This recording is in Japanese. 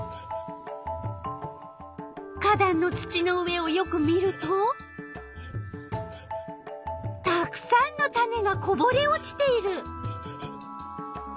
花だんの土の上をよく見るとたくさんの種がこぼれ落ちている。